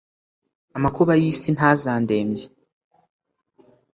amakuba y'isi ntazandembye.